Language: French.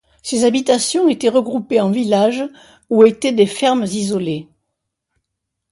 Ces habitations étaient regroupées en village ou étaient des fermes isolées.